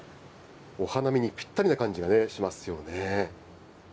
お花見にぴったりな感じがしますよね。